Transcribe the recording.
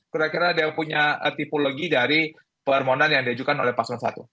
kira kira dia punya tipologi dari permohonan yang diajukan oleh pasro i